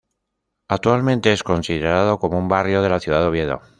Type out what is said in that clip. Actualmente es considerado como un barrio de la ciudad de Oviedo.